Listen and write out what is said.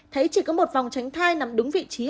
thấy chỉ có một vòng tránh thai nằm đúng vị trí